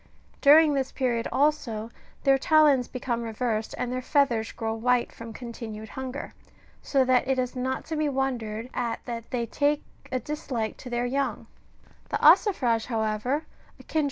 During this period, also, their talons become reversed, and their feathers grow white from continued hunger, so that it is not to be wondered at that they take a dislike to their 26 See Lucan, B.